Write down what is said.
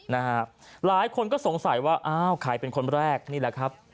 หลายคนก็สงสัยว่าอ้าวใครเป็นคนแรกนี่แหละครับ